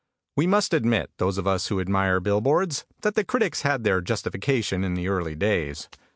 We must admit, those of us who admire billboards, that the critics had their justification in the early days.